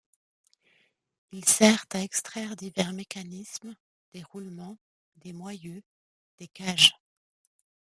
Il sert à extraire divers mécanismes, des roulements, des moyeux, des cages.